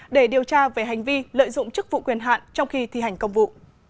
để điều tra về hành vi lợi dụng chức vụ quyền hạn trong khi thi hành công vụ